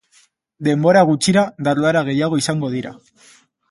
Denbora gutxira, dardara gehiago izan dira.